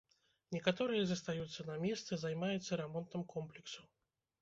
Некаторыя застаюцца на месцы, займаецца рамонтам комплексу.